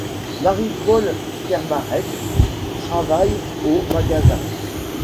Marie-Paul Kermarec travaille au magasin.